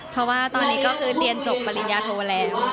เพราะว่าตอนนี้ก็คือเรียนจบปริญญาโทแล้ว